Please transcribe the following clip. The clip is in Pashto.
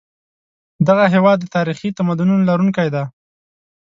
دغه هېواد د تاریخي تمدنونو لرونکی دی.